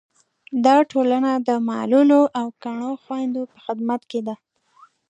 دا ټولنه د معلولو او کڼو خویندو په خدمت کې ده.